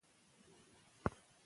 زه هره ورځ کمپیوټر کاروم.